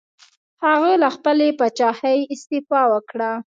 هغه له خپلې پاچاهۍ استعفا وکړه.